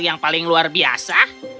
yang paling luar biasa